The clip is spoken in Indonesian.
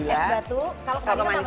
kalau kemanisan tambahin es batu